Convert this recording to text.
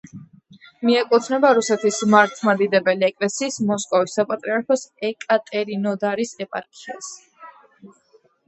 მიეკუთვნება რუსეთის მართლმადიდებელი ეკლესიის მოსკოვის საპატრიარქოს ეკატერინოდარის ეპარქიას.